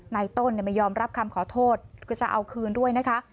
ในต้นไม่ยอมรับคำขอโทษก็จะเอาคืนด้วยนะคะ